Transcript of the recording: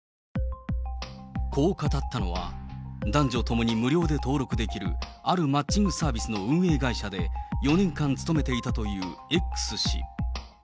こう語ったのは、男女ともに無料で登録できるあるマッチングサービスの運営会社で４年間勤めていたというＸ氏。